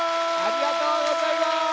ありがとうございます。